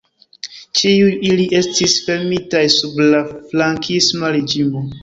Ĉiuj ili estis fermitaj sub la frankisma reĝimo.